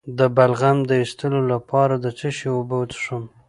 د بلغم د ایستلو لپاره د څه شي اوبه وڅښم؟